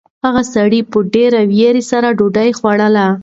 هغه سړي په ډېرې وېرې سره ډوډۍ خوړله.